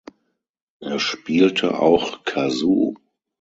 Er spielte auch Kazoo.